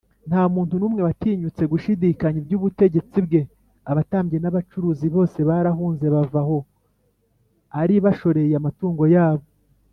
nta muntu n’umwe watinyutse gushidikanya iby’ubutegetsi bwe abatambyi n’abacuruzi bose barahunze bava aho ari bashoreye amatungo yabo